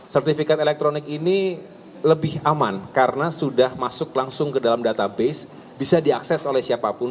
sertifikat elektronik ini lebih aman karena sudah masuk langsung ke dalam database bisa diakses oleh siapapun